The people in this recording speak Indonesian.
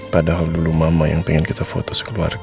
padahal dulu mama yang pengen kita foto sekeluarga